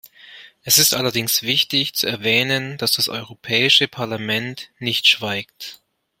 Es ist allerdings wichtig zu erwähnen, dass das Europäische Parlament nicht schweigt.